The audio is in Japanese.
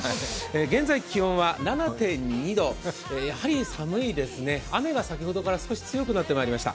現在気温は７．２度、やはり寒いですね、雨が先ほどから強くなってきました。